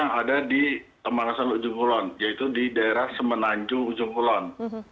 satunya ada di taman nasional ujung kulon yaitu di daerah semenanjung ujung kulon